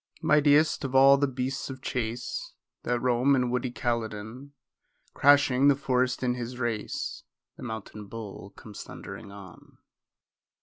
Mightiest of all the beasts of chase That roam in woody Caledon, Crashing the forest in his race, The mountain bull comes thundering on.